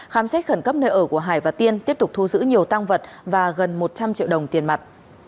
khám xét khẩn cấp nơi ở của hải và tiên tiếp tục thu giữ nhiều tăng vật và gần một trăm linh triệu đồng tiền mặt